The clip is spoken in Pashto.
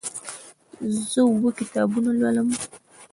زه اووه کتابونه لولم.